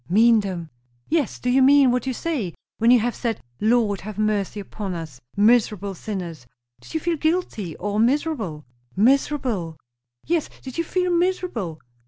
"Mean them!" "Yes. Do you mean what you say? When you have said, 'Lord, have mercy upon us, miserable sinners' did you feel guilty? or miserable?" "Miserable!" "Yes. Did you feel miserable?"